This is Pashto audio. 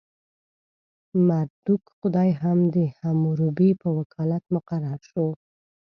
مردوک خدای هم د حموربي په وکالت مقرر شو.